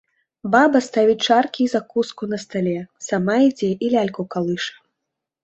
Баба ставіць чаркі і закуску на стале, сама ідзе і ляльку калыша.